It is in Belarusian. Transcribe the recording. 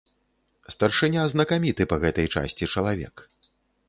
Старшыня знакаміты па гэтай часці чалавек.